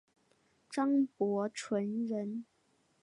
张伯淳人。